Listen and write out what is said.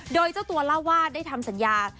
โดยเจ้าตัวเล่าว่าได้ทำสัญญา